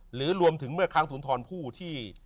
หรือรวมถึงเมื่อค้างศูนย์ทรอนผู้ที่